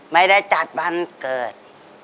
ไม่ได้จัดวันเกิด